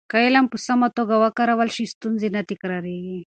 که علم په سمه توګه وکارول شي، ستونزې نه تکرارېږي.